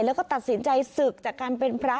แล้วก็ตัดสินใจศึกจากการเป็นพระ